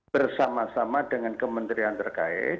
bersama sama dengan kementerian terkait